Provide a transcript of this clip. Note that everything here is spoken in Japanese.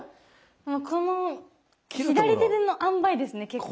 もうこの左手のあんばいですね結構。